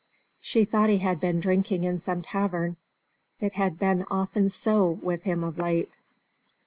She thought he had been drinking in some tavern; it had been often so with him of late.